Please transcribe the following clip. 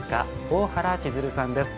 大原千鶴さんです。